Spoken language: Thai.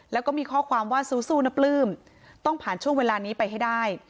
แล้วก็มีข้อความว่าสู้นะปลื้มต้องผ่านช่วงเวลานี้ไปให้ได้